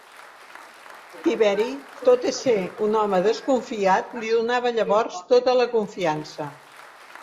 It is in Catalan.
Tiberi, tot i ser un home desconfiat, li donava llavors tota la confiança.